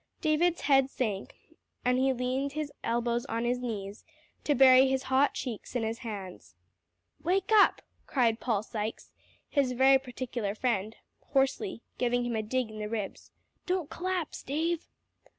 David's head sank, and he leaned his elbows on his knees, to bury his hot cheeks in his hands. "Wake up," cried Paul Sykes, his very particular friend, hoarsely, giving him a dig in the ribs. "Don't collapse, Dave."